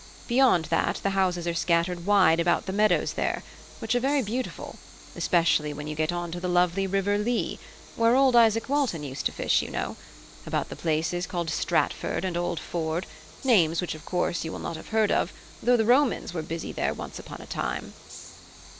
Beyond that the houses are scattered wide about the meadows there, which are very beautiful, especially when you get on to the lovely river Lea (where old Isaak Walton used to fish, you know) about the places called Stratford and Old Ford, names which of course you will not have heard of, though the Romans were busy there once upon a time."